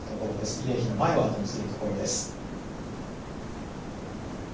慰霊碑の前を後にするところです。